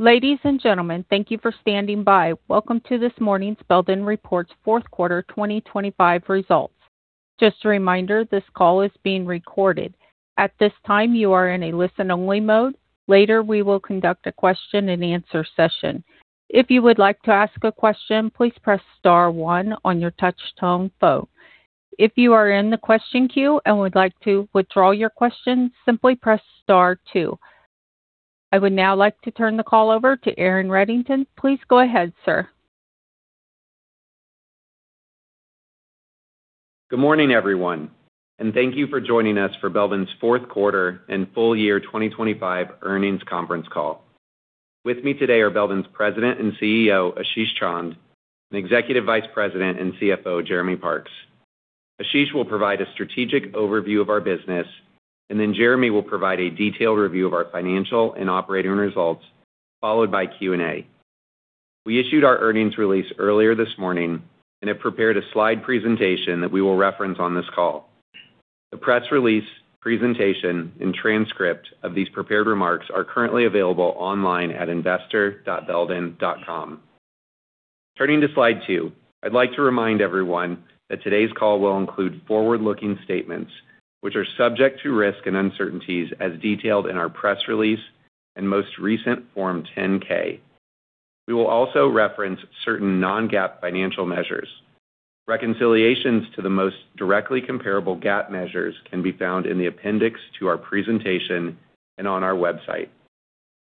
Ladies and gentlemen, thank you for standing by. Welcome to this morning's Belden reports fourth quarter 2025 results. Just a reminder, this call is being recorded. At this time, you are in a listen-only mode. Later, we will conduct a question-and-answer session. If you would like to ask a question, please press star one on your touch-tone phone. If you are in the question queue and would like to withdraw your question, simply press star two. I would now like to turn the call over to Aaron Reddington. Please go ahead, sir. Good morning, everyone, and thank you for joining us for Belden's fourth quarter and full year 2025 earnings conference call. With me today are Belden's President and CEO, Ashish Chand, and Executive Vice President and CFO, Jeremy Parks. Ashish will provide a strategic overview of our business, and then Jeremy will provide a detailed review of our financial and operating results, followed by Q&A. We issued our earnings release earlier this morning and have prepared a slide presentation that we will reference on this call. The press release, presentation, and transcript of these prepared remarks are currently available online at investor.belden.com. Turning to Slide 2, I'd like to remind everyone that today's call will include forward-looking statements, which are subject to risk and uncertainties as detailed in our press release and most recent Form 10-K. We will also reference certain non-GAAP financial measures. Reconciliations to the most directly comparable GAAP measures can be found in the appendix to our presentation and on our website.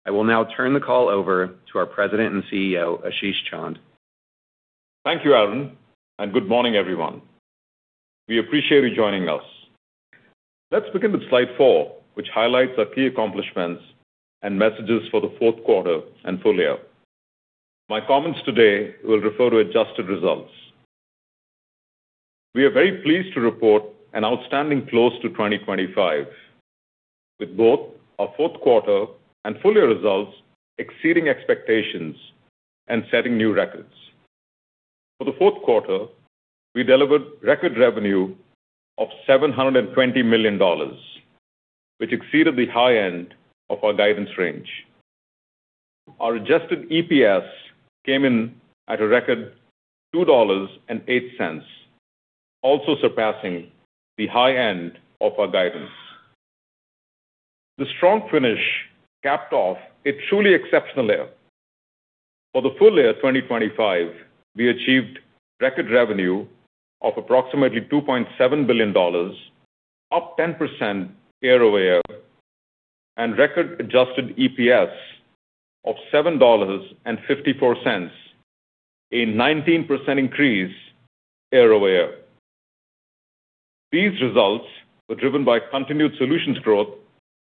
I will now turn the call over to our President and CEO, Ashish Chand. Thank you, Aaron, and good morning, everyone. We appreciate you joining us. Let's begin with Slide 4, which highlights our key accomplishments and messages for the fourth quarter and full year. My comments today will refer to adjusted results. We are very pleased to report an outstanding close to 2025, with both our fourth quarter and full year results exceeding expectations and setting new records. For the fourth quarter, we delivered record revenue of $720 million, which exceeded the high end of our guidance range. Our adjusted EPS came in at a record $2.08, also surpassing the high end of our guidance. The strong finish capped off a truly exceptional year. For the full year 2025, we achieved record revenue of approximately $2.7 billion, up 10% year-over-year, and record adjusted EPS of $7.54, a 19% increase year-over-year. These results were driven by continued solutions growth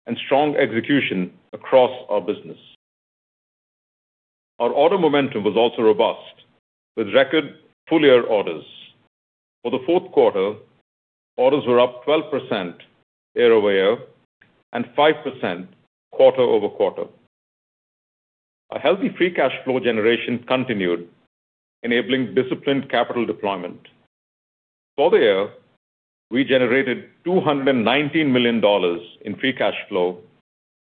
and strong execution across our business. Our order momentum was also robust, with record full-year orders. For the fourth quarter, orders were up 12% year-over-year and 5% quarter-over-quarter. A healthy free cash flow generation continued, enabling disciplined capital deployment. For the year, we generated $219 million in free cash flow,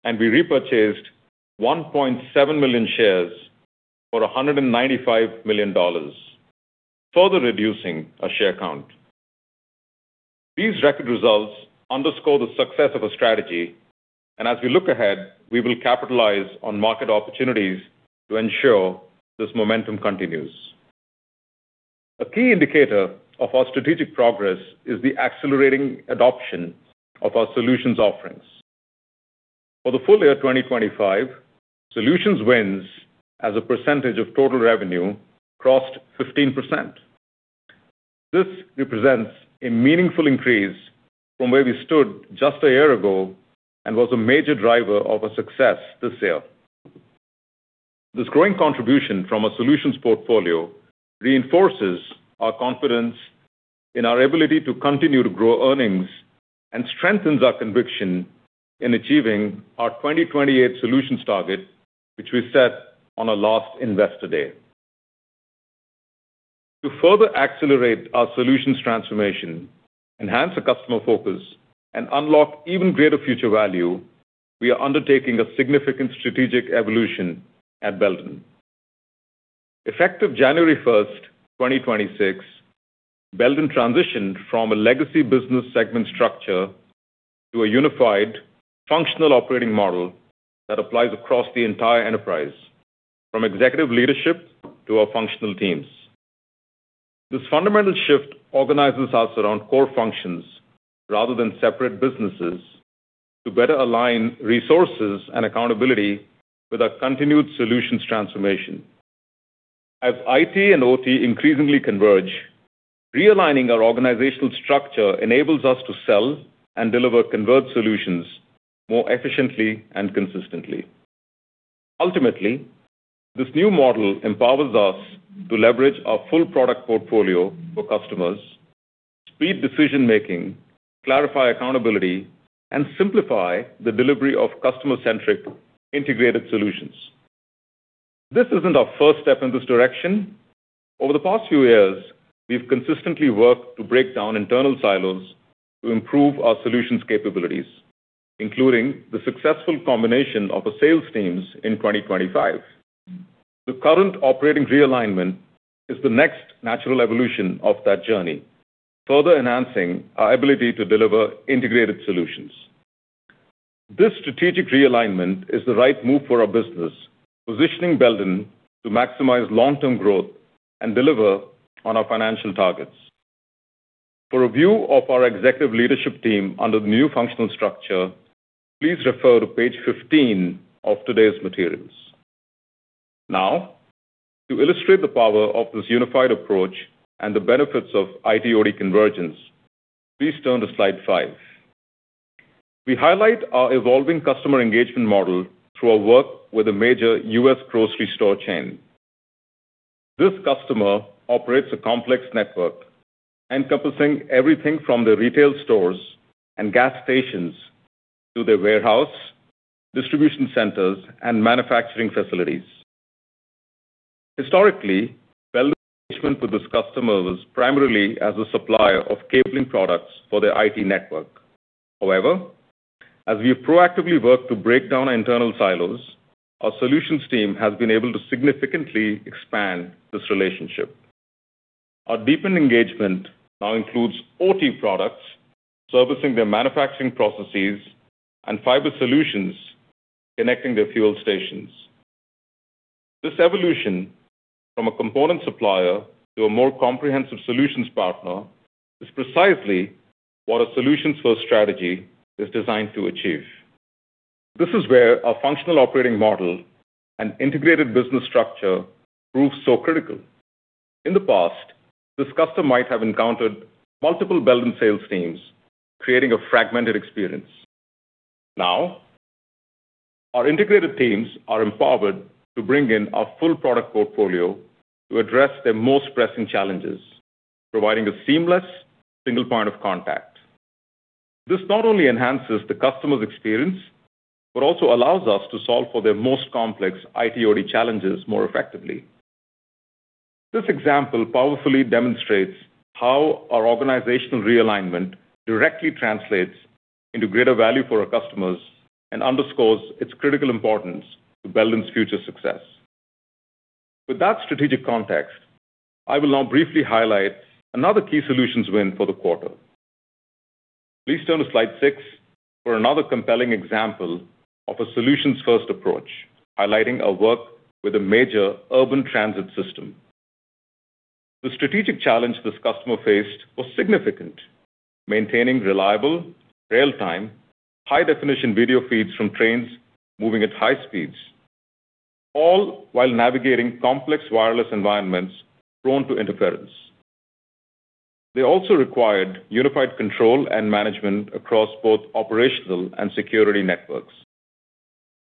and we repurchased 1.7 million shares for $195 million, further reducing our share count. These record results underscore the success of a strategy, and as we look ahead, we will capitalize on market opportunities to ensure this momentum continues. A key indicator of our strategic progress is the accelerating adoption of our solutions offerings. For the full year 2025, solutions wins as a percentage of total revenue crossed 15%. This represents a meaningful increase from where we stood just a year ago and was a major driver of our success this year. This growing contribution from our solutions portfolio reinforces our confidence in our ability to continue to grow earnings and strengthens our conviction in achieving our 2028 solutions target, which we set on our last Investor Day. To further accelerate our solutions transformation, enhance the customer focus, and unlock even greater future value, we are undertaking a significant strategic evolution at Belden. Effective January 1, 2026, Belden transitioned from a legacy business segment structure to a unified functional operating model that applies across the entire enterprise, from executive leadership to our functional teams. This fundamental shift organizes us around core functions rather than separate businesses, to better align resources and accountability with our continued solutions transformation. As IT and OT increasingly converge, realigning our organizational structure enables us to sell and deliver converged solutions more efficiently and consistently. Ultimately, this new model empowers us to leverage our full product portfolio for customers, speed decision-making, clarify accountability, and simplify the delivery of customer-centric integrated solutions. This isn't our first step in this direction.... Over the past few years, we've consistently worked to break down internal silos to improve our solutions capabilities, including the successful combination of the sales teams in 2025. The current operating realignment is the next natural evolution of that journey, further enhancing our ability to deliver integrated solutions. This strategic realignment is the right move for our business, positioning Belden to maximize long-term growth and deliver on our financial targets. For a view of our executive leadership team under the new functional structure, please refer to page 15 of today's materials. Now, to illustrate the power of this unified approach and the benefits of IT/OT convergence, please turn to Slide 5. We highlight our evolving customer engagement model through our work with a major U.S. grocery store chain. This customer operates a complex network encompassing everything from their retail stores and gas stations to their warehouse, distribution centers, and manufacturing facilities. Historically, Belden's engagement with this customer was primarily as a supplier of cabling products for their IT network. However, as we've proactively worked to break down our internal silos, our solutions team has been able to significantly expand this relationship. Our deepened engagement now includes OT products, servicing their manufacturing processes, and fiber solutions, connecting their fuel stations. This evolution from a component supplier to a more comprehensive solutions partner is precisely what a solutions-first strategy is designed to achieve. This is where our functional operating model and integrated business structure proves so critical. In the past, this customer might have encountered multiple Belden sales teams, creating a fragmented experience. Now, our integrated teams are empowered to bring in our full product portfolio to address their most pressing challenges, providing a seamless single point of contact. This not only enhances the customer's experience, but also allows us to solve for their most complex IT/OT challenges more effectively. This example powerfully demonstrates how our organizational realignment directly translates into greater value for our customers and underscores its critical importance to Belden's future success. With that strategic context, I will now briefly highlight another key solutions win for the quarter. Please turn to Slide 6 for another compelling example of a solutions-first approach, highlighting our work with a major urban transit system. The strategic challenge this customer faced was significant: maintaining reliable, real-time, high-definition video feeds from trains moving at high speeds, all while navigating complex wireless environments prone to interference. They also required unified control and management across both operational and security networks.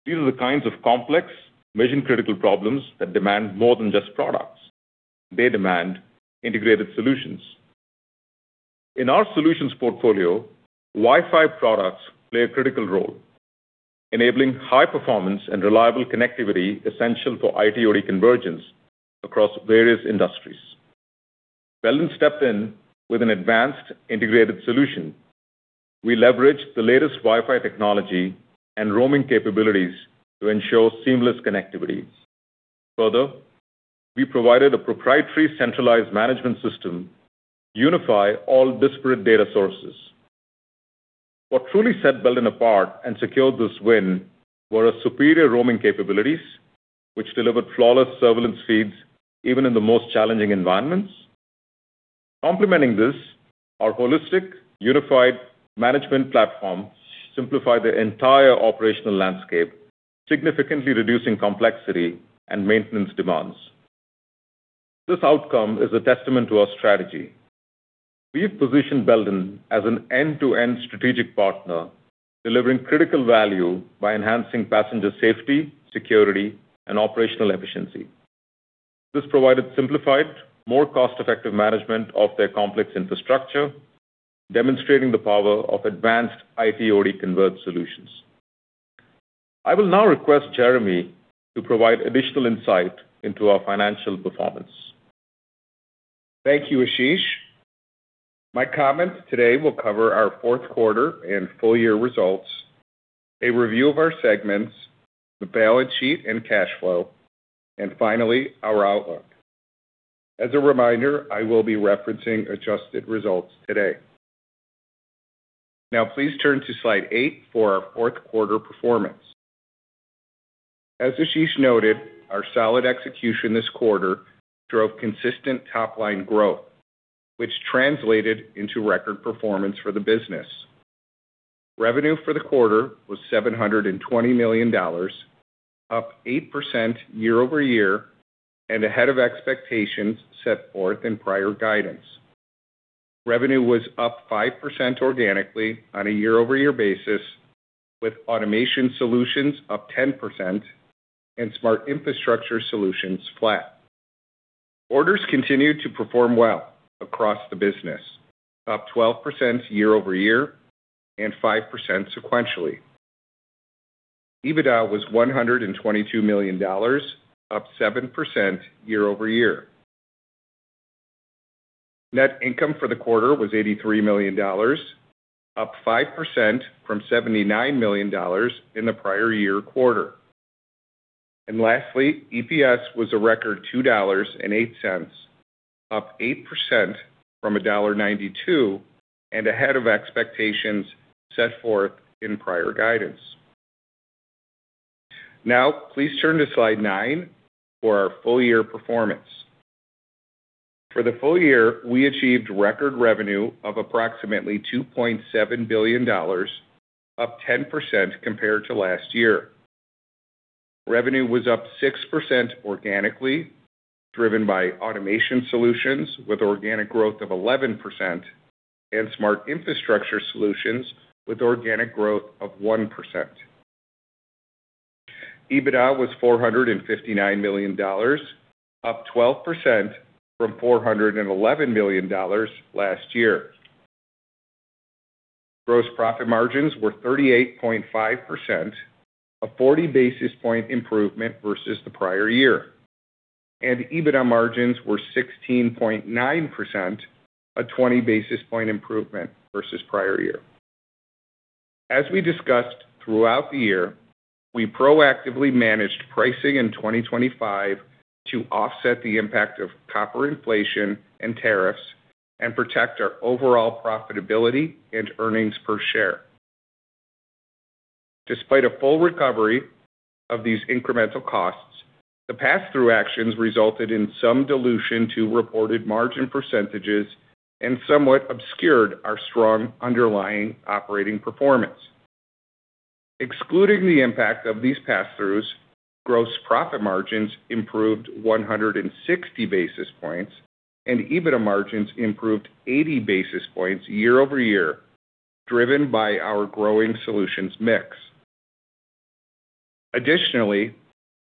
These are the kinds of complex, mission-critical problems that demand more than just products. They demand integrated solutions. In our solutions portfolio, Wi-Fi products play a critical role, enabling high performance and reliable connectivity, essential for IT/OT convergence across various industries. Belden stepped in with an advanced integrated solution. We leveraged the latest Wi-Fi technology and roaming capabilities to ensure seamless connectivity. Further, we provided a proprietary centralized management system to unify all disparate data sources. What truly set Belden apart and secured this win were our superior roaming capabilities, which delivered flawless surveillance feeds even in the most challenging environments. Complementing this, our holistic, unified management platform simplified the entire operational landscape, significantly reducing complexity and maintenance demands. This outcome is a testament to our strategy. We've positioned Belden as an end-to-end strategic partner, delivering critical value by enhancing passenger safety, security, and operational efficiency. This provided simplified, more cost-effective management of their complex infrastructure, demonstrating the power of advanced IT/OT converged solutions. I will now request Jeremy to provide additional insight into our financial performance. Thank you, Ashish. My comments today will cover our fourth quarter and full year results, a review of our segments, the balance sheet and cash flow, and finally, our outlook. As a reminder, I will be referencing adjusted results today. Now, please turn to slide eight for our fourth quarter performance. As Ashish noted, our solid execution this quarter drove consistent top-line growth, which translated into record performance for the business. Revenue for the quarter was $720 million, up 8% year-over-year, and ahead of expectations set forth in prior guidance. Revenue was up 5% organically on a year-over-year basis, with Automation Solutions up 10% and Smart Infrastructure Solutions flat. Orders continued to perform well across the business, up 12% year-over-year and 5% sequentially.... EBITDA was $122 million, up 7% year-over-year. Net income for the quarter was $83 million, up 5% from $79 million in the prior year quarter. And lastly, EPS was a record $2.08, up 8% from $1.92, and ahead of expectations set forth in prior guidance. Now, please turn to Slide 9 for our full year performance. For the full year, we achieved record revenue of approximately $2.7 billion, up 10% compared to last year. Revenue was up 6% organically, driven by Automation Solutions, with organic growth of 11%, and Smart Infrastructure Solutions with organic growth of 1%. EBITDA was $459 million, up 12% from $411 million last year. Gross profit margins were 38.5%, a 40 basis point improvement versus the prior year, and EBITDA margins were 16.9%, a 20 basis point improvement versus prior year. As we discussed throughout the year, we proactively managed pricing in 2025 to offset the impact of copper inflation and tariffs and protect our overall profitability and earnings per share. Despite a full recovery of these incremental costs, the pass-through actions resulted in some dilution to reported margin percentages and somewhat obscured our strong underlying operating performance. Excluding the impact of these pass-throughs, gross profit margins improved 160 basis points, and EBITDA margins improved 80 basis points year-over-year, driven by our growing solutions mix. Additionally,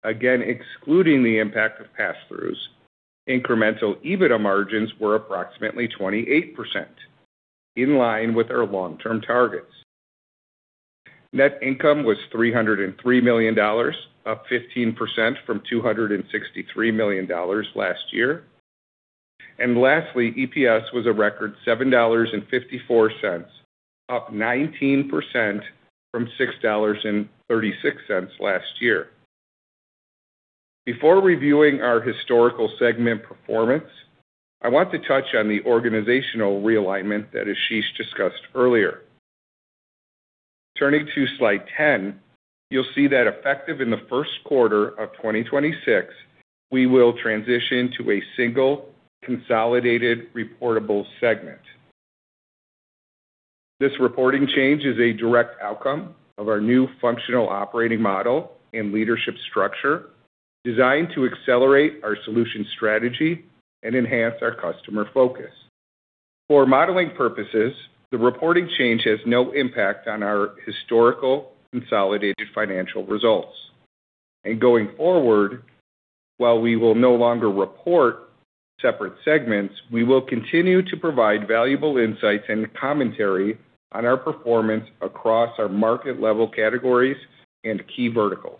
again, excluding the impact of pass-throughs, incremental EBITDA margins were approximately 28%, in line with our long-term targets. Net income was $303 million, up 15% from $263 million last year. Lastly, EPS was a record $7.54, up 19% from $6.36 last year. Before reviewing our historical segment performance, I want to touch on the organizational realignment that Ashish discussed earlier. Turning to Slide 10, you'll see that effective in the first quarter of 2026, we will transition to a single, consolidated, reportable segment. This reporting change is a direct outcome of our new functional operating model and leadership structure, designed to accelerate our solution strategy and enhance our customer focus. For modeling purposes, the reporting change has no impact on our historical consolidated financial results. Going forward, while we will no longer report separate segments, we will continue to provide valuable insights and commentary on our performance across our market level categories and key verticals.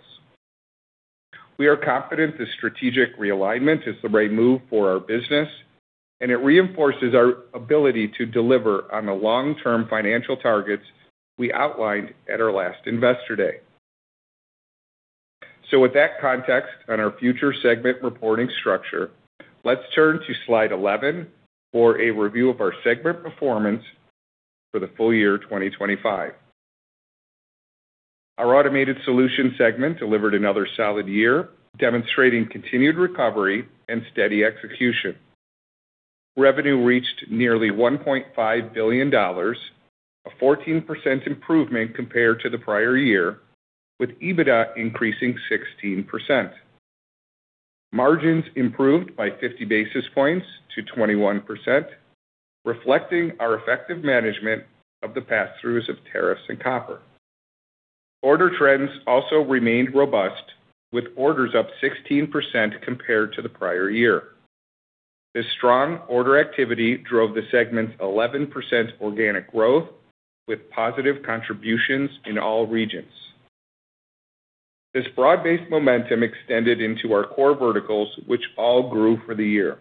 We are confident this strategic realignment is the right move for our business, and it reinforces our ability to deliver on the long-term financial targets we outlined at our last Investor Day. With that context on our future segment reporting structure, let's turn to Slide 11 for a review of our segment performance for the full year 2025. Our Automation Solutions segment delivered another solid year, demonstrating continued recovery and steady execution. Revenue reached nearly $1.5 billion, a 14% improvement compared to the prior year, with EBITDA increasing 16%. Margins improved by 50 basis points to 21%, reflecting our effective management of the pass-throughs of tariffs and copper. Order trends also remained robust, with orders up 16% compared to the prior year. This strong order activity drove the segment's 11% organic growth, with positive contributions in all regions. This broad-based momentum extended into our core verticals, which all grew for the year,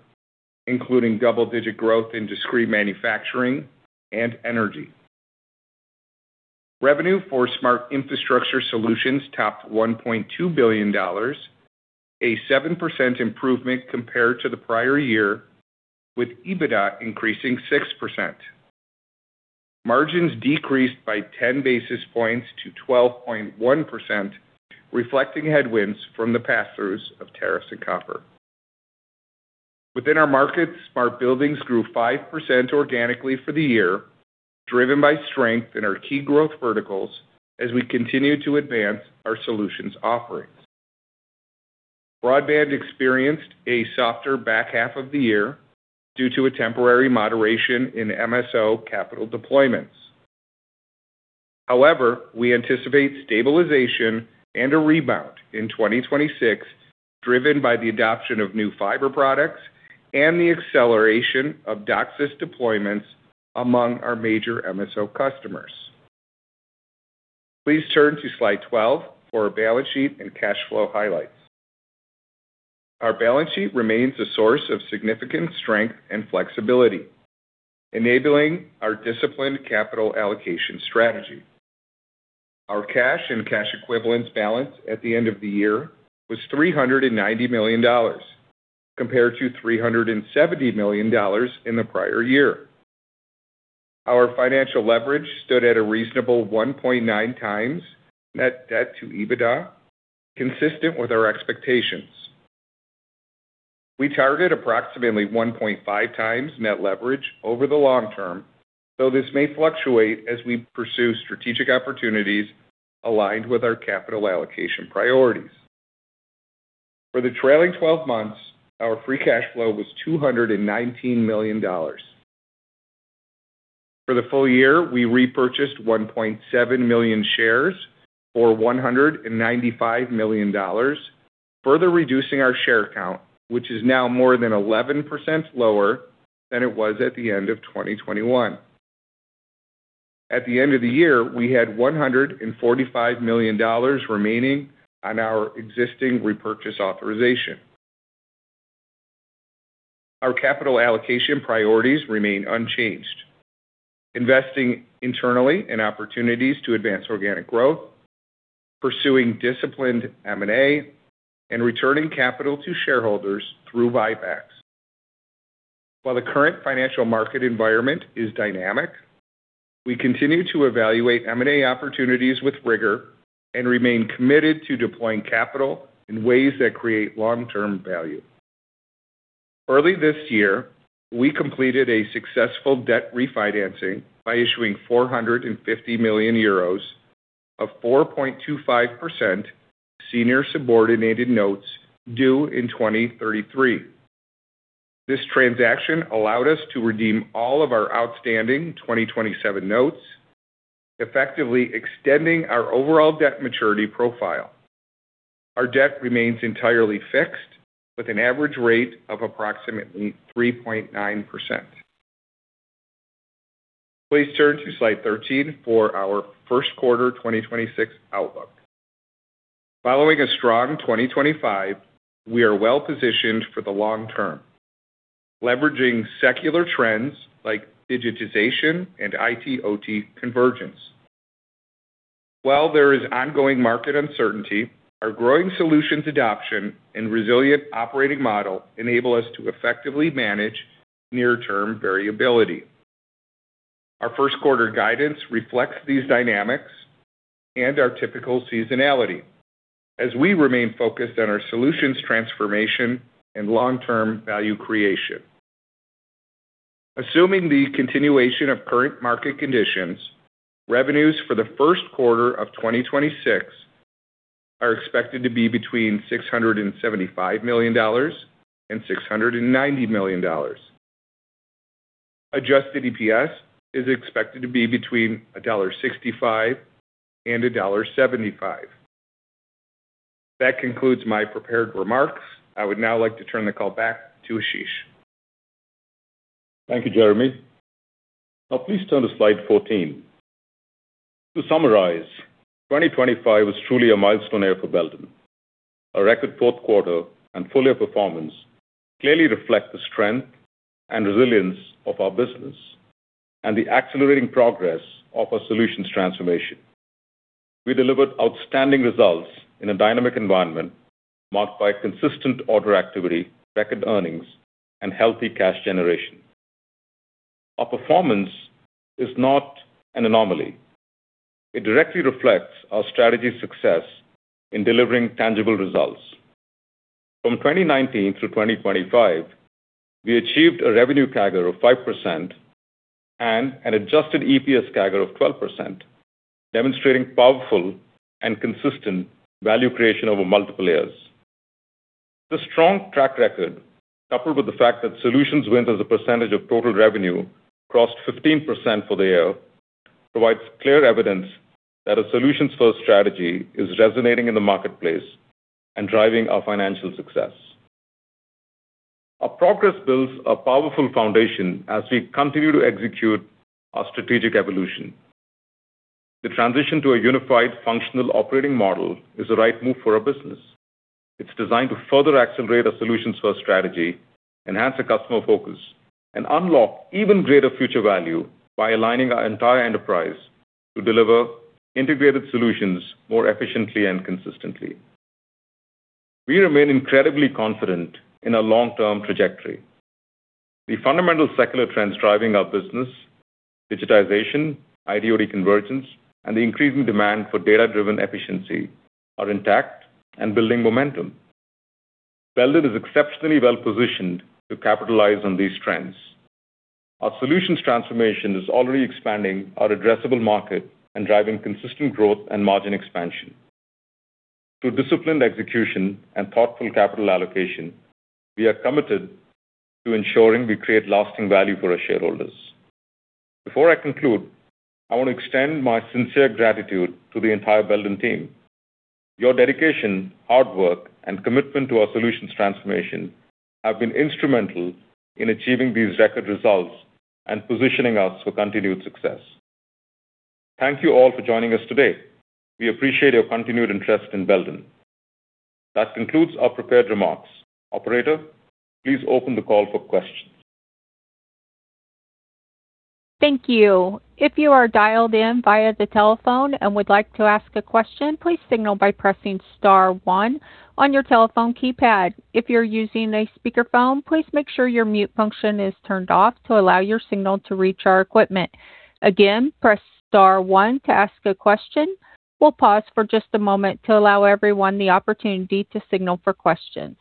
including double-digit growth in discrete manufacturing and energy. Revenue for Smart Infrastructure Solutions topped $1.2 billion, a 7% improvement compared to the prior year, with EBITDA increasing 6%. Margins decreased by 10 basis points to 12.1%, reflecting headwinds from the pass-throughs of tariffs and copper. Within our markets, Smart Buildings grew 5% organically for the year, driven by strength in our key growth verticals as we continue to advance our solutions offerings. Broadband experienced a softer back half of the year due to a temporary moderation in MSO capital deployments. However, we anticipate stabilization and a rebound in 2026,... driven by the adoption of new fiber products and the acceleration of DOCSIS deployments among our major MSO customers. Please turn to Slide 12 for our balance sheet and cash flow highlights. Our balance sheet remains a source of significant strength and flexibility, enabling our disciplined capital allocation strategy. Our cash and cash equivalents balance at the end of the year was $390 million, compared to $370 million in the prior year. Our financial leverage stood at a reasonable 1.9x net debt to EBITDA, consistent with our expectations. We targeted approximately 1.5x net leverage over the long term, though this may fluctuate as we pursue strategic opportunities aligned with our capital allocation priorities. For the trailing twelve months, our free cash flow was $219 million. For the full year, we repurchased 1.7 million shares, or $195 million, further reducing our share count, which is now more than 11% lower than it was at the end of 2021. At the end of the year, we had $145 million remaining on our existing repurchase authorization. Our capital allocation priorities remain unchanged, investing internally in opportunities to advance organic growth, pursuing disciplined M&A, and returning capital to shareholders through buybacks. While the current financial market environment is dynamic, we continue to evaluate M&A opportunities with rigor and remain committed to deploying capital in ways that create long-term value. Early this year, we completed a successful debt refinancing by issuing 450 million euros of 4.25% senior subordinated notes due in 2033. This transaction allowed us to redeem all of our outstanding 2027 notes, effectively extending our overall debt maturity profile. Our debt remains entirely fixed, with an average rate of approximately 3.9%. Please turn to Slide 13 for our first quarter 2026 outlook. Following a strong 2025, we are well-positioned for the long term, leveraging secular trends like digitization and IT/OT convergence. While there is ongoing market uncertainty, our growing solutions adoption and resilient operating model enable us to effectively manage near-term variability. Our first quarter guidance reflects these dynamics and our typical seasonality as we remain focused on our solutions transformation and long-term value creation. Assuming the continuation of current market conditions, revenues for the first quarter of 2026 are expected to be between $675 million and $690 million. Adjusted EPS is expected to be between $1.65 and $1.75. That concludes my prepared remarks. I would now like to turn the call back to Ashish. Thank you, Jeremy. Now please turn to Slide 14. To summarize, 2025 was truly a milestone year for Belden. A record fourth quarter and full year performance clearly reflect the strength and resilience of our business and the accelerating progress of our solutions transformation. We delivered outstanding results in a dynamic environment marked by consistent order activity, record earnings, and healthy cash generation. Our performance is not an anomaly. It directly reflects our strategy's success in delivering tangible results. From 2019 through 2025, we achieved a revenue CAGR of 5% and an adjusted EPS CAGR of 12%, demonstrating powerful and consistent value creation over multiple years. This strong track record, coupled with the fact that solutions wins as a percentage of total revenue crossed 15% for the year, provides clear evidence that a solutions-first strategy is resonating in the marketplace and driving our financial success. Our progress builds a powerful foundation as we continue to execute our strategic evolution. The transition to a unified functional operating model is the right move for our business. It's designed to further accelerate our solutions-first strategy, enhance the customer focus, and unlock even greater future value by aligning our entire enterprise to deliver integrated solutions more efficiently and consistently. We remain incredibly confident in our long-term trajectory. The fundamental secular trends driving our business, digitization, IT/OT convergence, and the increasing demand for data-driven efficiency, are intact and building momentum. Belden is exceptionally well-positioned to capitalize on these trends. Our solutions transformation is already expanding our addressable market and driving consistent growth and margin expansion. Through disciplined execution and thoughtful capital allocation, we are committed to ensuring we create lasting value for our shareholders... Before I conclude, I want to extend my sincere gratitude to the entire Belden team. Your dedication, hard work, and commitment to our solutions transformation have been instrumental in achieving these record results and positioning us for continued success. Thank you all for joining us today. We appreciate your continued interest in Belden. That concludes our prepared remarks. Operator, please open the call for questions. Thank you. If you are dialed in via the telephone and would like to ask a question, please signal by pressing star one on your telephone keypad. If you're using a speakerphone, please make sure your mute function is turned off to allow your signal to reach our equipment. Again, press star one to ask a question. We'll pause for just a moment to allow everyone the opportunity to signal for questions.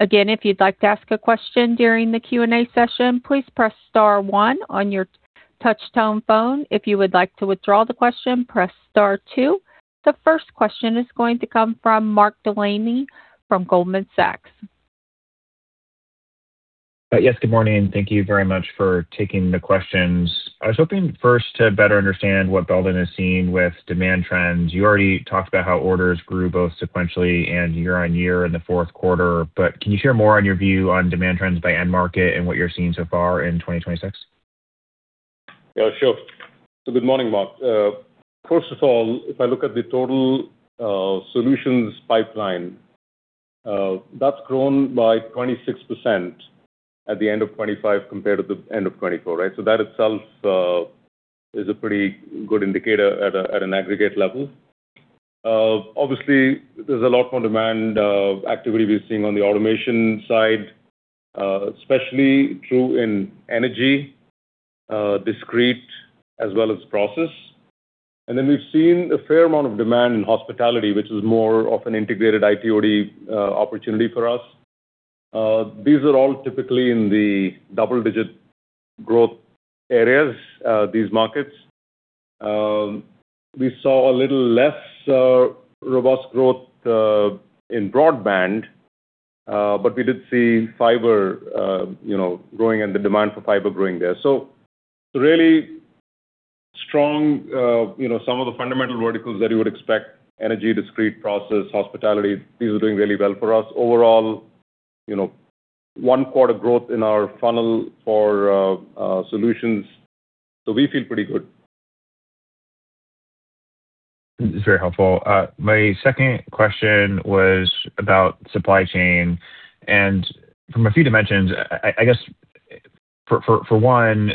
Again, if you'd like to ask a question during the Q&A session, please press star one on your touch-tone phone. If you would like to withdraw the question, press star two. The first question is going to come from Mark Delaney from Goldman Sachs. Yes, good morning, and thank you very much for taking the questions. I was hoping first to better understand what Belden is seeing with demand trends. You already talked about how orders grew both sequentially and year on year in the fourth quarter, but can you share more on your view on demand trends by end market and what you're seeing so far in 2026? Yeah, sure. So good morning, Mark. First of all, if I look at the total solutions pipeline, that's grown by 26% at the end of 2025 compared to the end of 2024, right? So that itself is a pretty good indicator at an aggregate level. Obviously, there's a lot more demand activity we're seeing on the automation side, especially true in energy, discrete as well as process. And then we've seen a fair amount of demand in hospitality, which is more of an integrated IT/OT opportunity for us. These are all typically in the double-digit growth areas, these markets. We saw a little less robust growth in broadband, but we did see fiber, you know, growing and the demand for fiber growing there. So really strong, you know, some of the fundamental verticals that you would expect, energy, discrete, process, hospitality, these are doing really well for us. Overall, you know, one quarter growth in our funnel for solutions, so we feel pretty good. It's very helpful. My second question was about supply chain, and from a few dimensions, I guess, for one,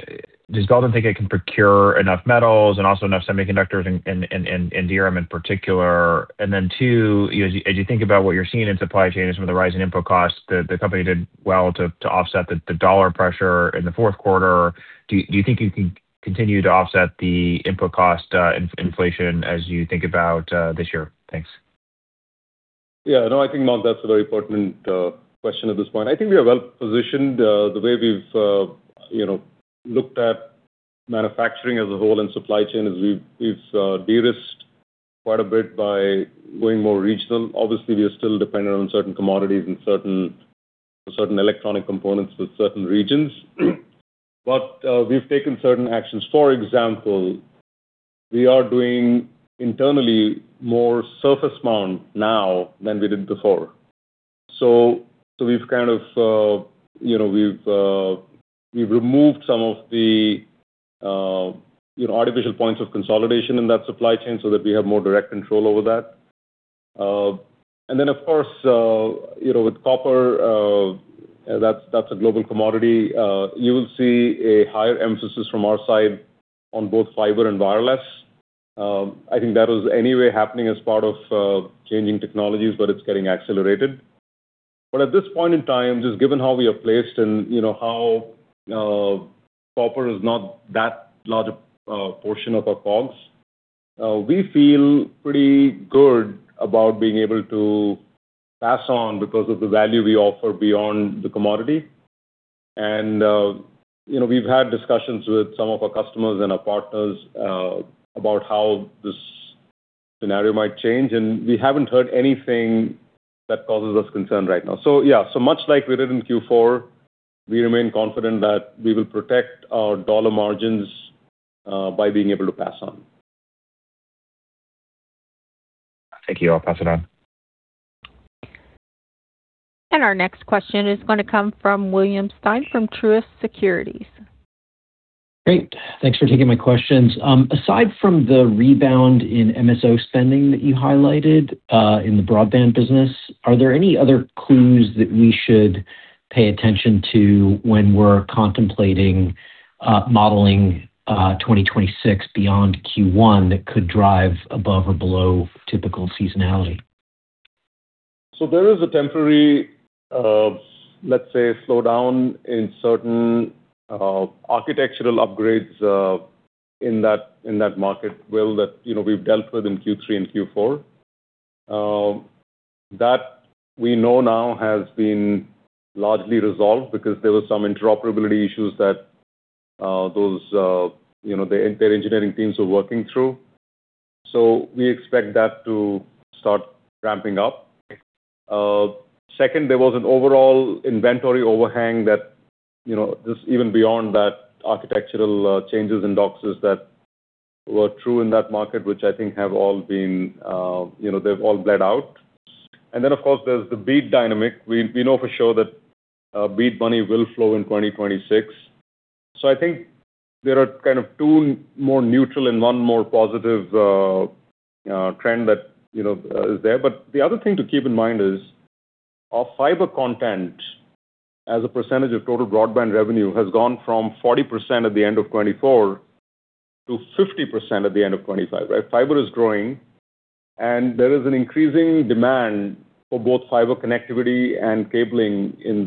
does Belden think it can procure enough metals and also enough semiconductors and DRAM in particular? And then, two, you know, as you think about what you're seeing in supply chains with the rising input costs, the company did well to offset the dollar pressure in the fourth quarter. Do you think you can continue to offset the input cost inflation as you think about this year? Thanks. Yeah. No, I think, Mark, that's a very pertinent question at this point. I think we are well positioned the way we've you know, looked at manufacturing as a whole and supply chain, as we've de-risked quite a bit by going more regional. Obviously, we are still dependent on certain commodities and certain electronic components with certain regions. But, we've taken certain actions. For example, we are doing internally more surface mount now than we did before. So, we've kind of you know, we've removed some of the you know, artificial points of consolidation in that supply chain so that we have more direct control over that. And then, of course, you know, with copper, that's a global commodity. You will see a higher emphasis from our side on both fiber and wireless. I think that was anyway happening as part of changing technologies, but it's getting accelerated. But at this point in time, just given how we are placed and, you know, how copper is not that large a portion of our COGS, we feel pretty good about being able to pass on because of the value we offer beyond the commodity. And, you know, we've had discussions with some of our customers and our partners about how this scenario might change, and we haven't heard anything that causes us concern right now. So yeah, so much like we did in Q4, we remain confident that we will protect our dollar margins by being able to pass on. Thank you. I'll pass it on. Our next question is going to come from William Stein, from Truist Securities. Great. Thanks for taking my questions. Aside from the rebound in MSO spending that you highlighted in the broadband business, are there any other clues that we should pay attention to when we're contemplating modeling 2026 beyond Q1, that could drive above or below typical seasonality? So there is a temporary, let's say, slowdown in certain architectural upgrades in that, in that market, Will, that, you know, we've dealt with in Q3 and Q4. That we know now has been largely resolved because there were some interoperability issues that, you know, their, their engineering teams are working through. So we expect that to start ramping up. Second, there was an overall inventory overhang that, you know, just even beyond that architectural changes in DOCSIS that were true in that market, which I think have all been, you know, they've all bled out. And then, of course, there's the BEAD dynamic. We know for sure that BEAD money will flow in 2026. So I think there are kind of two more neutral and one more positive trend that, you know, is there. But the other thing to keep in mind is, our fiber content as a percentage of total broadband revenue has gone from 40% at the end of 2024 to 50% at the end of 2025, right? Fiber is growing, and there is an increasing demand for both fiber connectivity and cabling in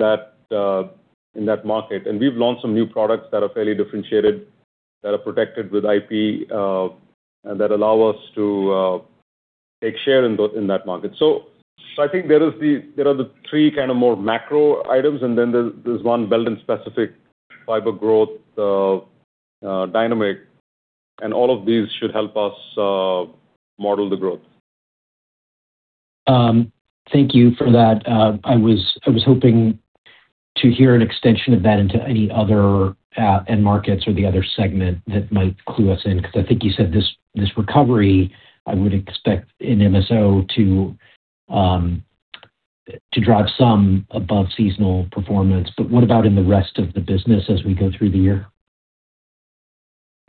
that market. And we've launched some new products that are fairly differentiated, that are protected with IP, and that allow us to take share in that market. So I think there is the there are the three kind of more macro items, and then there's there's one Belden-specific fiber growth dynamic, and all of these should help us model the growth. Thank you for that. I was hoping to hear an extension of that into any other end markets or the other segment that might clue us in, because I think you said this recovery. I would expect an MSO to drive some above seasonal performance. But what about in the rest of the business as we go through the year?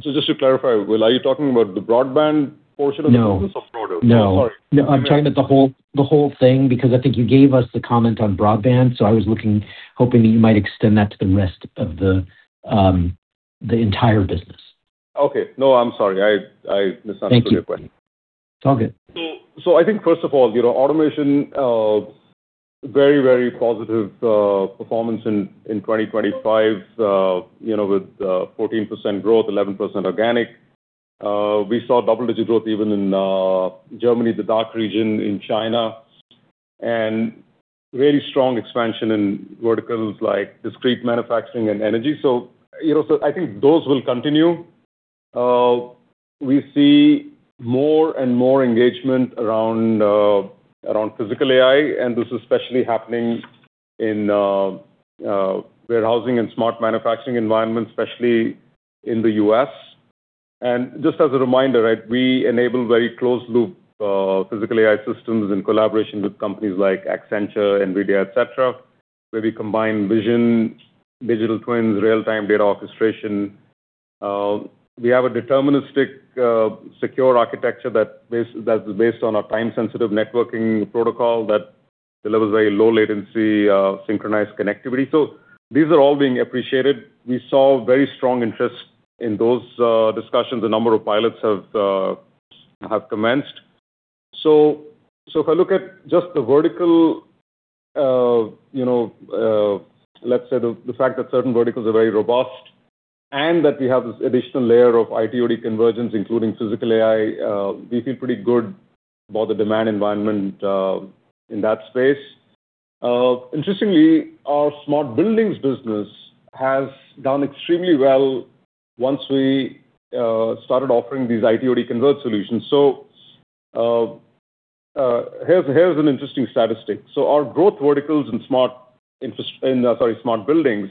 So just to clarify, Will, are you talking about the broadband portion of the business? No. Or broader? No, sorry. No, I'm talking about the whole, the whole thing, because I think you gave us the comment on broadband, so I was looking, hoping that you might extend that to the rest of the, the entire business. Okay. No, I'm sorry. I misunderstood Thank you. your question. It's all good. So, I think first of all, you know, automation, very, very positive, performance in 2025, you know, with 14% growth, 11% organic. We saw double-digit growth even in Germany, the DACH region and China, and really strong expansion in verticals like discrete manufacturing and energy. So, you know, I think those will continue. We see more and more engagement around Physical AI, and this is especially happening in warehousing and smart manufacturing environments, especially in the U.S. And just as a reminder, right, we enable very closed-loop Physical AI systems in collaboration with companies like Accenture, NVIDIA, et cetera, where we combine vision, digital twins, real-time data orchestration. We have a deterministic, secure architecture that is based on a Time-Sensitive Networking protocol that delivers very low latency, synchronized connectivity. So these are all being appreciated. We saw very strong interest in those discussions. A number of pilots have commenced. So, if I look at just the vertical, you know, let's say the fact that certain verticals are very robust and that we have this additional layer of IT/OT convergence, including Physical AI, we feel pretty good about the demand environment in that space. Interestingly, our Smart Buildings business has done extremely well once we started offering these IT/OT converged solutions. So, here's an interesting statistic. So our growth verticals in Smart Buildings,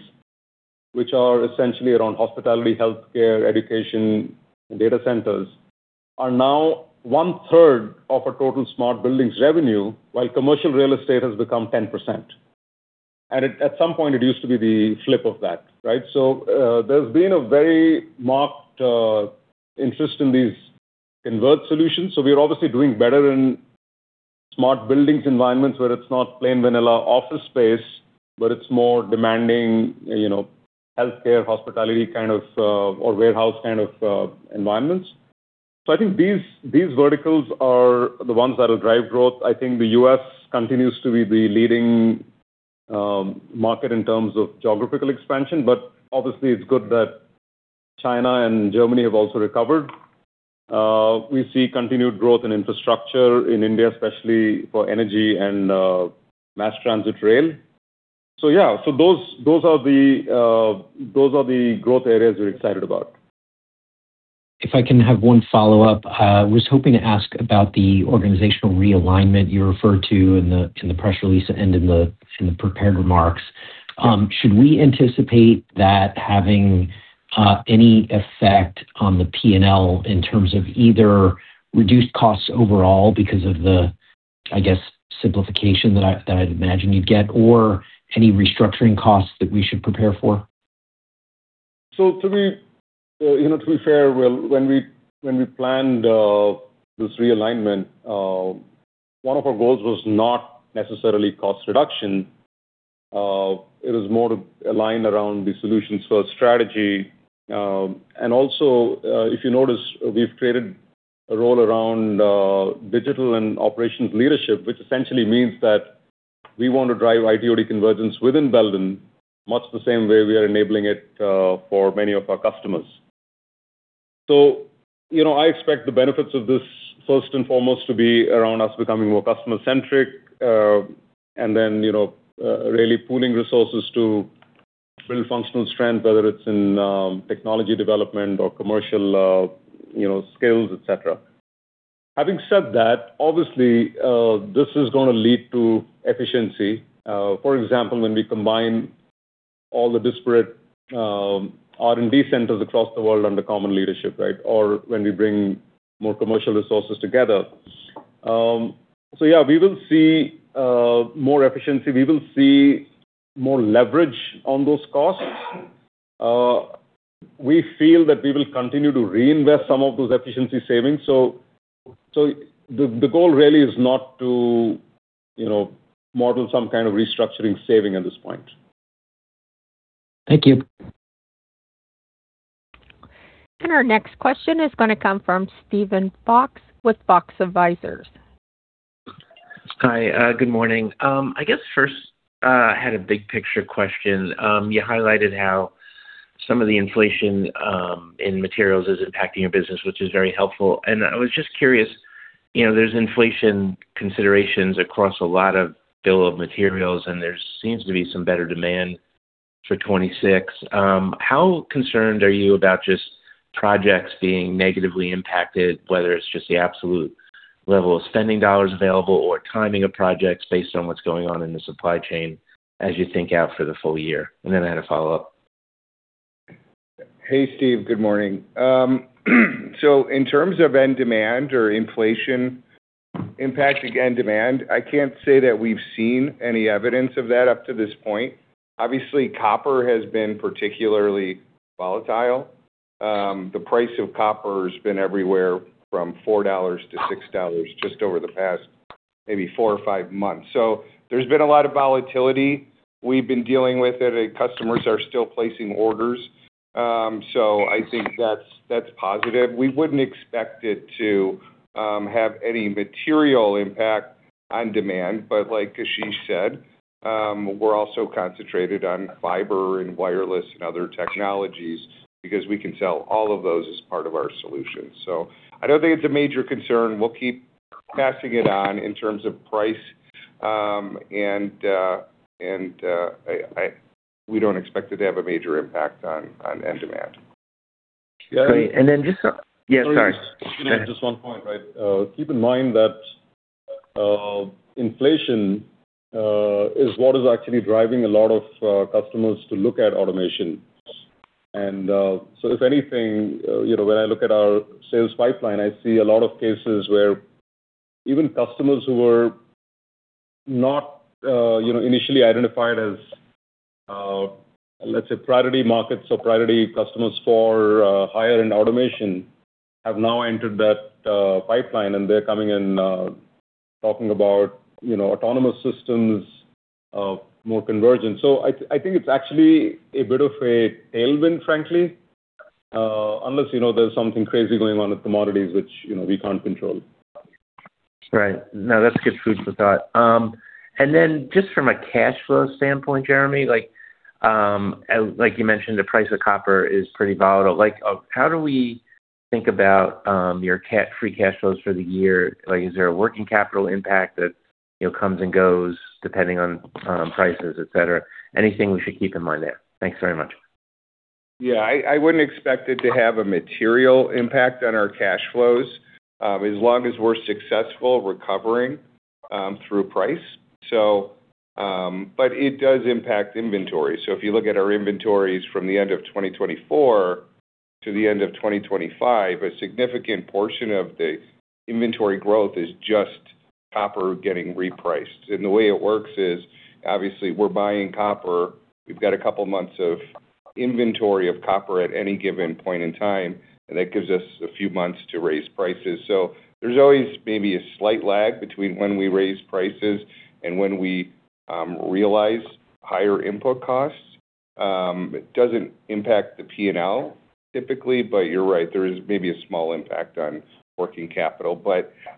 which are essentially around hospitality, healthcare, education, and data centers, are now one-third of our total Smart Buildings revenue, while commercial real estate has become 10%. And at some point, it used to be the flip of that, right? So there's been a very marked interest in these converged solutions. So we are obviously doing better in Smart Buildings environments where it's not plain vanilla office space, but it's more demanding, you know, healthcare, hospitality kind of or warehouse kind of environments. So I think these verticals are the ones that will drive growth. I think the U.S. continues to be the leading market in terms of geographical expansion, but obviously it's good that China and Germany have also recovered. We see continued growth in infrastructure in India, especially for energy and mass transit rail. So yeah, those are the growth areas we're excited about. If I can have one follow-up. I was hoping to ask about the organizational realignment you referred to in the, in the press release and in the, in the prepared remarks. Should we anticipate that having any effect on the P&L in terms of either reduced costs overall because of the, I guess, simplification that I, that I'd imagine you'd get, or any restructuring costs that we should prepare for? So to be, you know, to be fair, Will, when we, when we planned this realignment, one of our goals was not necessarily cost reduction. It was more to align around the solutions-first strategy. And also, if you notice, we've created a role around digital and operations leadership, which essentially means that we want to drive IT/OT convergence within Belden, much the same way we are enabling it for many of our customers. So, you know, I expect the benefits of this, first and foremost, to be around us becoming more customer-centric, and then, you know, really pooling resources to build functional strength, whether it's in technology development or commercial, you know, skills, et cetera. Having said that, obviously, this is going to lead to efficiency. For example, when we combine all the disparate R&D centers across the world under common leadership, right? Or when we bring more commercial resources together. So yeah, we will see more efficiency. We will see more leverage on those costs. We feel that we will continue to reinvest some of those efficiency savings. So, the goal really is not to, you know, model some kind of restructuring saving at this point. Thank you. Our next question is going to come from Steven Fox with Fox Advisors. Hi. Good morning. I guess first, I had a big picture question. You highlighted how some of the inflation in materials is impacting your business, which is very helpful. And I was just curious, you know, there's inflation considerations across a lot of bill of materials, and there seems to be some better demand for 2026. How concerned are you about just projects being negatively impacted, whether it's just the absolute level of spending dollars available or timing of projects based on what's going on in the supply chain as you think out for the full year? And then I had a follow-up. Hey, Steve, good morning. So in terms of end demand or inflation impacting end demand, I can't say that we've seen any evidence of that up to this point. Obviously, copper has been particularly volatile. The price of copper has been everywhere from $4-$6 just over the past maybe four or five months. So there's been a lot of volatility. We've been dealing with it, and customers are still placing orders, so I think that's, that's positive. We wouldn't expect it to have any material impact on demand, but like Ashish said, we're also concentrated on fiber and wireless and other technologies because we can sell all of those as part of our solution. So I don't think it's a major concern. We'll keep passing it on in terms of price, and we don't expect it to have a major impact on end demand. Great. And then just-- Yeah, sorry. Just one point, right? Keep in mind that inflation is what is actually driving a lot of customers to look at automation. And so if anything, you know, when I look at our sales pipeline, I see a lot of cases where even customers who were not, you know, initially identified as, let's say, priority markets or priority customers for higher-end automation, have now entered that pipeline, and they're coming in talking about, you know, autonomous systems, more convergence. So I, I think it's actually a bit of a tailwind, frankly, unless, you know, there's something crazy going on with commodities, which, you know, we can't control. Right. No, that's good food for thought. And then just from a cash flow standpoint, Jeremy, like, like you mentioned, the price of copper is pretty volatile. Like, how do we think about, your free cash flows for the year? Like, is there a working capital impact that, you know, comes and goes depending on, prices, et cetera? Anything we should keep in mind there? Thanks very much. Yeah, I wouldn't expect it to have a material impact on our cash flows, as long as we're successful recovering through price. So, but it does impact inventory. So if you look at our inventories from the end of 2024 to the end of 2025, a significant portion of the inventory growth is just copper getting repriced. And the way it works is, obviously, we're buying copper. We've got a couple months of inventory of copper at any given point in time, and that gives us a few months to raise prices. So there's always maybe a slight lag between when we raise prices and when we realize higher input costs. It doesn't impact the P&L typically, but you're right, there is maybe a small impact on working capital.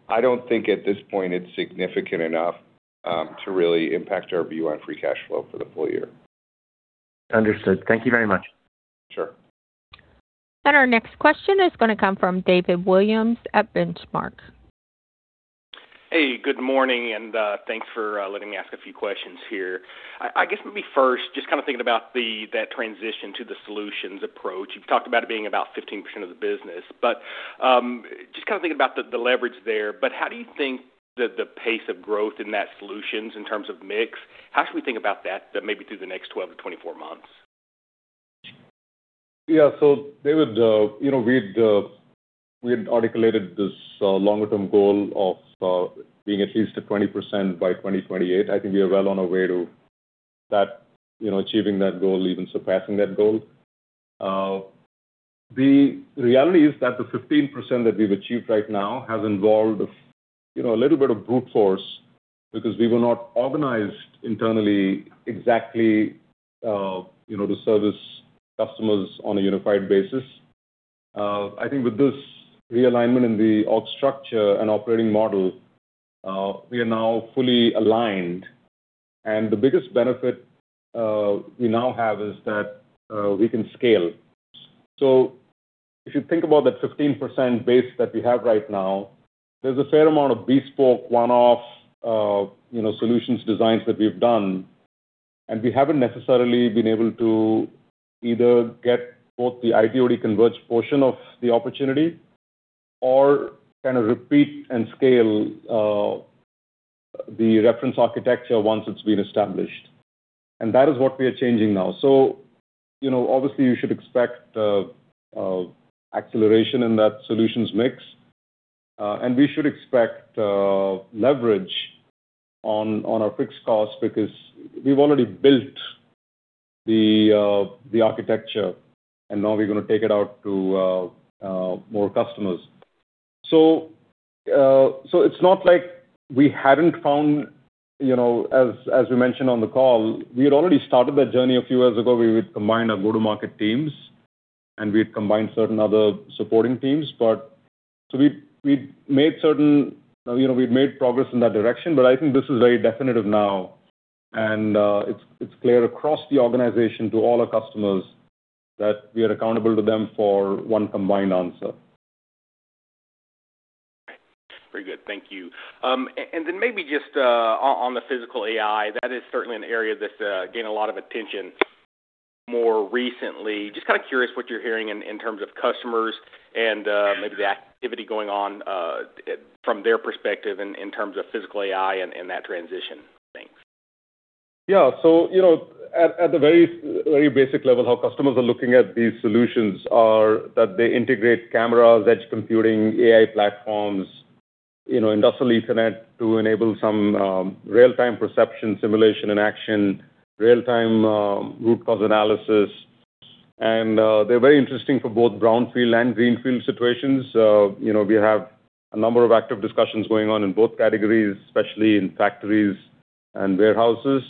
I don't think at this point it's significant enough to really impact our view on free cash flow for the full year. Understood. Thank you very much. Sure. Our next question is going to come from David Williams at Benchmark. Hey, good morning, and thanks for letting me ask a few questions here. I guess maybe first, just kind of thinking about that transition to the solutions approach. You've talked about it being about 15% of the business, but just kind of thinking about the leverage there, but how do you think that the pace of growth in that solutions in terms of mix, how should we think about that maybe through the next 12-24 months? Yeah. So David, you know, we'd, we had articulated this longer term goal of being at least at 20% by 2028. I think we are well on our way to that, you know, achieving that goal, even surpassing that goal. The reality is that the 15% that we've achieved right now has involved, you know, a little bit of brute force, because we were not organized internally exactly, you know, to service customers on a unified basis. I think with this realignment in the org structure and operating model, we are now fully aligned, and the biggest benefit we now have is that we can scale.... So if you think about that 15% base that we have right now, there's a fair amount of bespoke one-offs, you know, solutions, designs that we've done, and we haven't necessarily been able to either get both the IT/OT converged portion of the opportunity or kind of repeat and scale the reference architecture once it's been established. And that is what we are changing now. So, you know, obviously, you should expect acceleration in that solutions mix. And we should expect leverage on our fixed costs because we've already built the architecture, and now we're gonna take it out to more customers. So, it's not like we hadn't found. You know, as we mentioned on the call, we had already started that journey a few years ago, where we combined our go-to-market teams, and we had combined certain other supporting teams. But. So we made certain. You know, we've made progress in that direction, but I think this is very definitive now, and it's clear across the organization to all our customers that we are accountable to them for one combined answer. Very good. Thank you. And then maybe just on the Physical AI, that is certainly an area that's gained a lot of attention more recently. Just kinda curious what you're hearing in terms of customers and maybe the activity going on from their perspective in terms of Physical AI and that transition. Thanks. Yeah. So, you know, at the very, very basic level, how customers are looking at these solutions are that they integrate cameras, edge computing, AI platforms, you know, industrial Ethernet, to enable some real-time perception, simulation, and action, real-time root cause analysis. And they're very interesting for both brownfield and greenfield situations. You know, we have a number of active discussions going on in both categories, especially in factories and warehouses,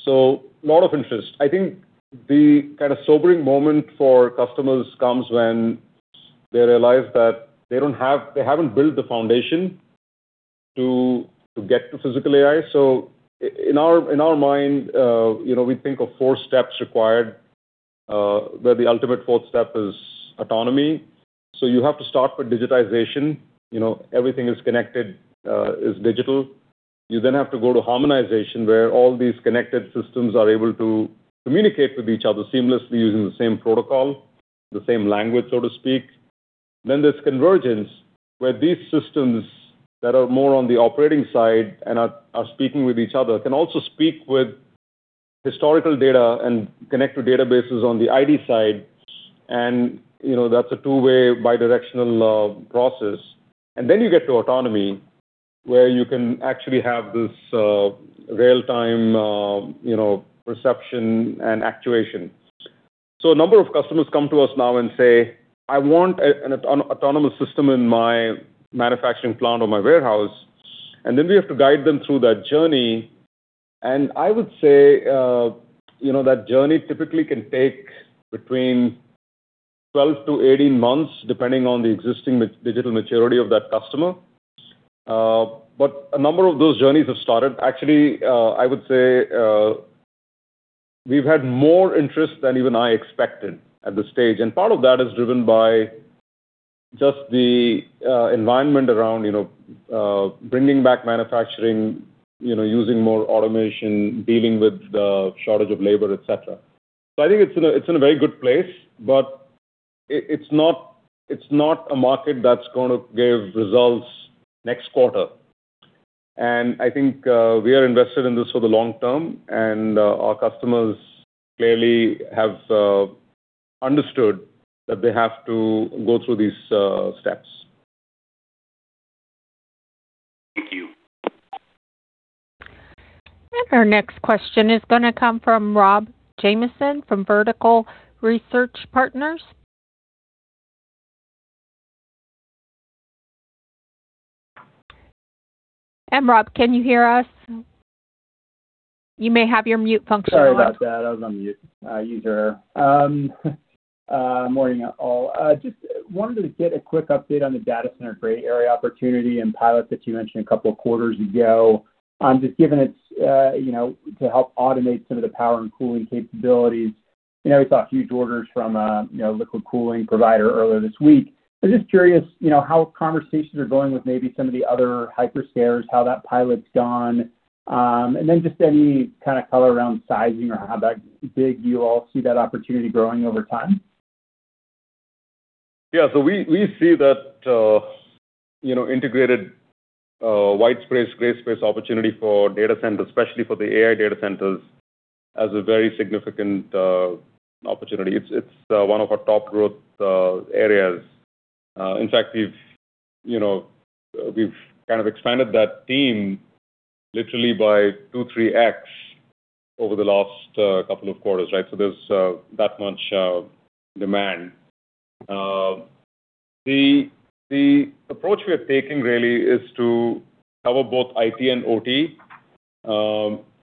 so a lot of interest. I think the kind of sobering moment for customers comes when they realize that they don't have, they haven't built the foundation to get to Physical AI. So in our mind, you know, we think of four steps required, where the ultimate fourth step is autonomy. So you have to start with digitization, you know, everything is connected is digital. You then have to go to harmonization, where all these connected systems are able to communicate with each other seamlessly using the same protocol, the same language, so to speak. Then there's convergence, where these systems that are more on the operating side and are speaking with each other, can also speak with historical data and connect to databases on the IT side, and, you know, that's a two-way, bidirectional, process. And then you get to autonomy, where you can actually have this real-time, you know, perception and actuation. So a number of customers come to us now and say, "I want an autonomous system in my manufacturing plant or my warehouse." And then we have to guide them through that journey, and I would say, you know, that journey typically can take between 12-18 months, depending on the existing digital maturity of that customer. But a number of those journeys have started. Actually, I would say, we've had more interest than even I expected at this stage, and part of that is driven by just the environment around, you know, bringing back manufacturing, you know, using more automation, dealing with the shortage of labor, et cetera. So I think it's in a very good place, but it's not a market that's gonna give results next quarter. I think we are invested in this for the long term, and our customers clearly have understood that they have to go through these steps. Thank you. Our next question is gonna come from Rob Jamieson from Vertical Research Partners. Rob, can you hear us? You may have your mute function on. Sorry about that. I was on mute. User error. Morning, all. Just wanted to get a quick update on the data center gray area opportunity and pilot that you mentioned a couple of quarters ago. Just given it's, you know, to help automate some of the power and cooling capabilities. You know, we saw huge orders from a, you know, liquid cooling provider earlier this week. I'm just curious, you know, how conversations are going with maybe some of the other hyperscalers, how that pilot's gone, and then just any kind of color around sizing or how that big you all see that opportunity growing over time? Yeah. So we see that, you know, integrated white space, gray space opportunity for data centers, especially for the AI data centers, as a very significant opportunity. It's one of our top growth areas. In fact, we've, you know, kind of expanded that team literally by 2-3x over the last couple of quarters, right? So there's that much demand. The approach we are taking really is to cover both IT and OT.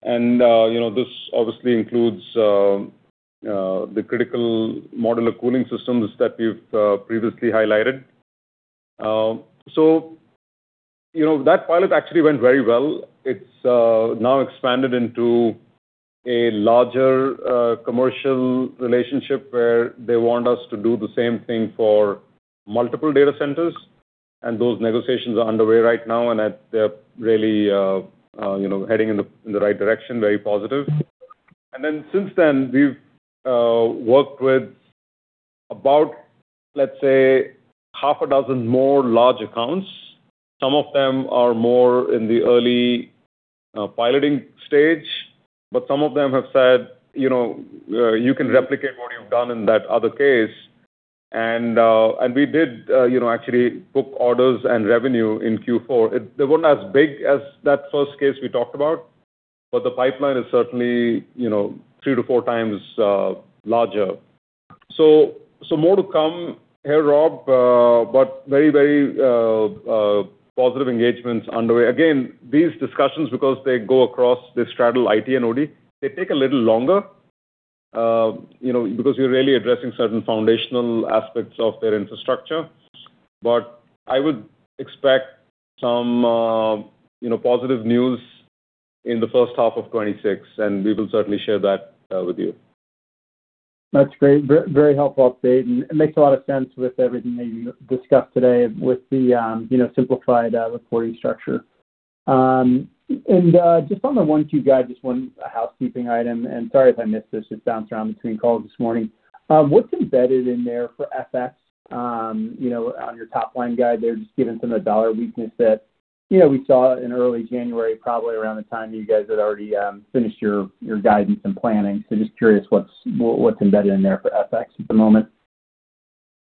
And you know, this obviously includes the critical modular cooling systems that we've previously highlighted. You know, that pilot actually went very well. It's now expanded into a larger commercial relationship where they want us to do the same thing for multiple data centers. Those negotiations are underway right now, and they're really, you know, heading in the right direction, very positive. And then since then, we've worked with about, let's say, half a dozen more large accounts. Some of them are more in the early piloting stage, but some of them have said: You know, you can replicate what you've done in that other case. And we did, you know, actually book orders and revenue in Q4. They weren't as big as that first case we talked about, but the pipeline is certainly, you know, 3-4 times larger. So more to come here, Rob, but very, very positive engagements underway. Again, these discussions, because they go across, they straddle IT and OT, they take a little longer, you know, because you're really addressing certain foundational aspects of their infrastructure. But I would expect some, you know, positive news in the first half of 2026, and we will certainly share that with you. That's great. Very helpful update, and it makes a lot of sense with everything that you discussed today with the, you know, simplified reporting structure. Just on the 1Q guide, just one housekeeping item, and sorry if I missed this, just bouncing around between calls this morning. What's embedded in there for FX, you know, on your top-line guide there, just given some of the U.S. dollar weakness that, you know, we saw in early January, probably around the time you guys had already finished your guidance and planning. So just curious, what's embedded in there for FX at the moment?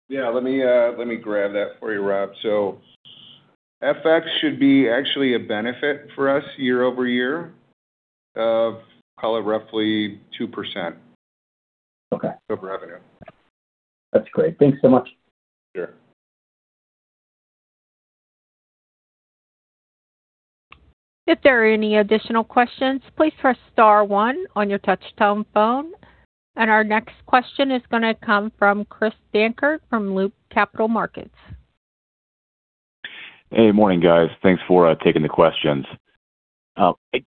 Yeah, let me grab that for you, Rob. So FX should be actually a benefit for us year-over-year of, call it, roughly 2%- Okay. -of revenue. That's great. Thanks so much. Sure. If there are any additional questions, please press star one on your touch-tone phone. Our next question is gonna come from Chris Dankert from Loop Capital Markets. Hey, morning, guys. Thanks for taking the questions. I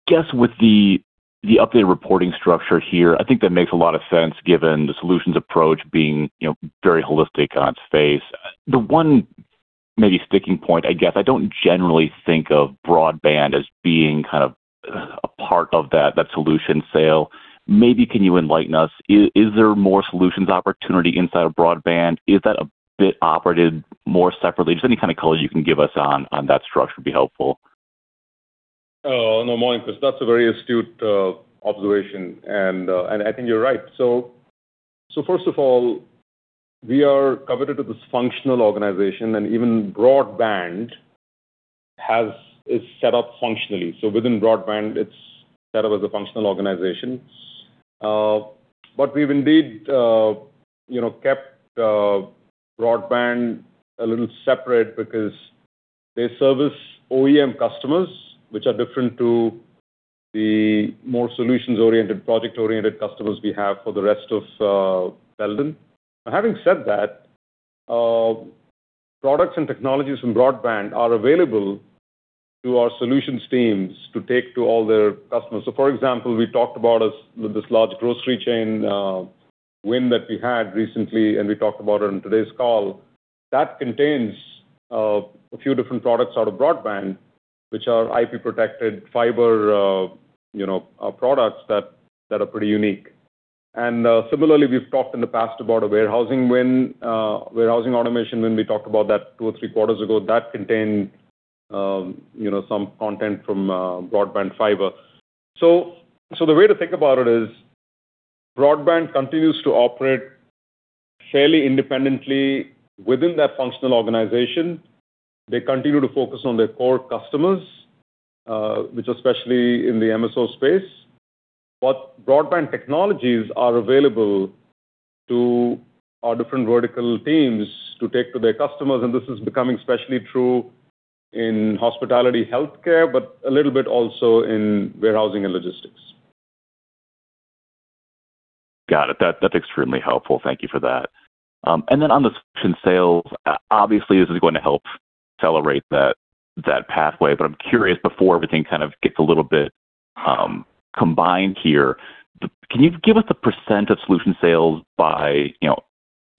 guess with the updated reporting structure here, I think that makes a lot of sense, given the solutions approach being, you know, very holistic on its face. The one maybe sticking point, I guess, I don't generally think of broadband as being kind of a part of that solution sale. Maybe can you enlighten us, is there more solutions opportunity inside of broadband? Is that a bit operated more separately? Just any kind of color you can give us on that structure would be helpful. Good morning, Chris. That's a very astute observation, and I think you're right. So first of all, we are committed to this functional organization, and even broadband has is set up functionally. So within broadband, it's set up as a functional organization. But we've indeed, you know, kept broadband a little separate because they service OEM customers, which are different to the more solutions-oriented, project-oriented customers we have for the rest of Belden. Having said that, products and technologies from broadband are available to our solutions teams to take to all their customers. So, for example, we talked about us this large grocery chain win that we had recently, and we talked about it on today's call. That contains a few different products out of broadband, which are IP-protected fiber, you know, products that are pretty unique. Similarly, we've talked in the past about a warehousing win, warehousing automation win. We talked about that two or three quarters ago. That contained, you know, some content from broadband fiber. So the way to think about it is, broadband continues to operate fairly independently within that functional organization. They continue to focus on their core customers, which are especially in the MSO space. But broadband technologies are available to our different vertical teams to take to their customers, and this is becoming especially true in hospitality, healthcare, but a little bit also in warehousing and logistics. Got it. That, that's extremely helpful. Thank you for that. And then on the solution sales, obviously, this is going to help accelerate that, that pathway. But I'm curious, before everything kind of gets a little bit combined here, can you give us a percent of solution sales by, you know,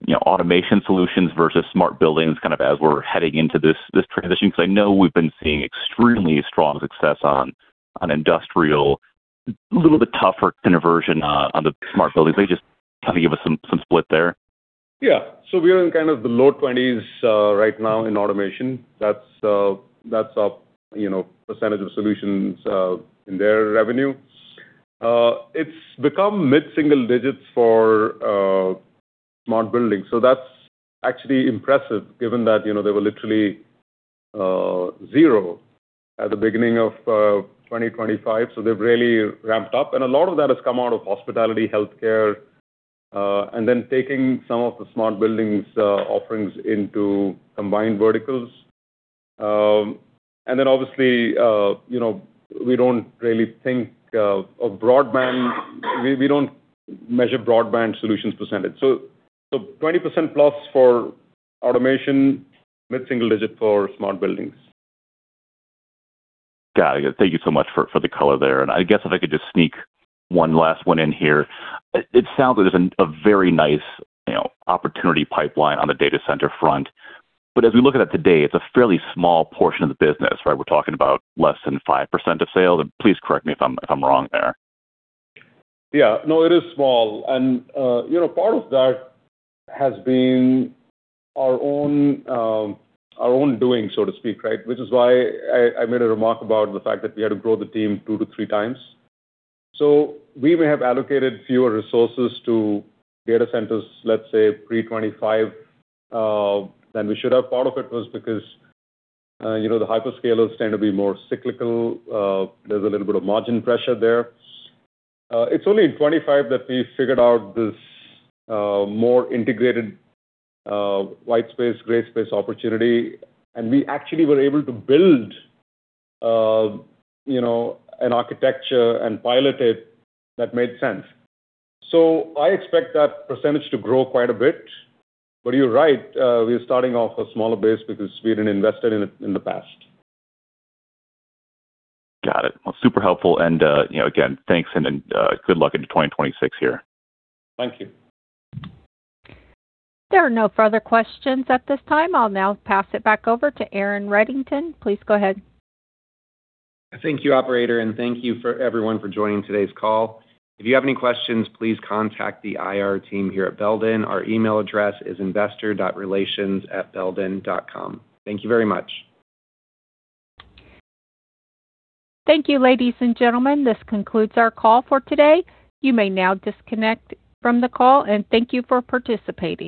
you know, automation solutions versus Smart Buildings, kind of, as we're heading into this, this transition? Because I know we've been seeing extremely strong success on industrial, a little bit tougher conversion on the Smart Buildings. Maybe just kind of give us some split there. Yeah. So we are in kind of the low 20s right now in automation. That's up, you know, percentage of solutions in their revenue. It's become mid-single digits for Smart Buildings. So that's actually impressive, given that, you know, they were literally zero at the beginning of 2025. So they've really ramped up, and a lot of that has come out of hospitality, healthcare, and then taking some of the Smart Buildings offerings into combined verticals. And then obviously, you know, we don't really think of broadband. We don't measure broadband solutions percentage. So 20%+ for automation, mid-single digit for Smart Buildings. Got it. Thank you so much for the color there. And I guess if I could just sneak one last one in here. It sounds like there's a very nice, you know, opportunity pipeline on the data center front, but as we look at it today, it's a fairly small portion of the business, right? We're talking about less than 5% of sales. And please correct me if I'm wrong there. Yeah. No, it is small, and, you know, part of that has been our own, our own doing, so to speak, right? Which is why I, I made a remark about the fact that we had to grow the team 2-3 times. So we may have allocated fewer resources to data centers, let's say pre-2025, than we should have. Part of it was because, you know, the hyperscalers tend to be more cyclical. There's a little bit of margin pressure there. It's only in 2025 that we figured out this, more integrated, white space, gray space opportunity, and we actually were able to build, you know, an architecture and pilot it that made sense. So I expect that percentage to grow quite a bit. But you're right, we are starting off a smaller base because we didn't invest in it in the past. Got it. Well, super helpful, and, you know, again, thanks and then, good luck into 2026 here. Thank you. There are no further questions at this time. I'll now pass it back over to Aaron Reddington. Please go ahead. Thank you, operator, and thank you for everyone for joining today's call. If you have any questions, please contact the IR team here at Belden. Our email address is investor.relations@belden.com. Thank you very much. Thank you, ladies and gentlemen. This concludes our call for today. You may now disconnect from the call, and thank you for participating.